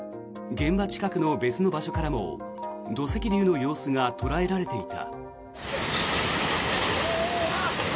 現場近くの別の場所からも土石流の様子が捉えられていた。